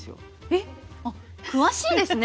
えっ詳しいですね。